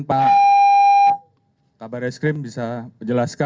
pada perang jasa pengacara